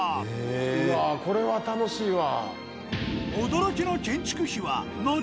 うわこれは楽しいわ。